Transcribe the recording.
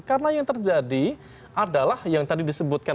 karena yang terjadi adalah yang tadi disebutkan